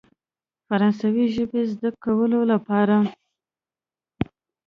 فرانسوي ژبې زده کولو لپاره.